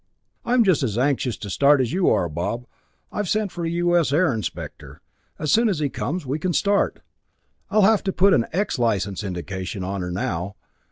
"I'm just as anxious to start as you are, Bob. I've sent for a U.S. Air Inspector. As soon as he comes we can start. I'll have to put an 'X' license indication on her now.